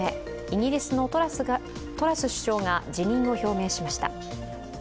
イギリスのトラス首相が辞任を表明しました。